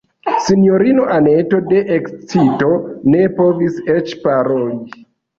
Sinjorino Anneto de ekscito ne povis eĉ paroli.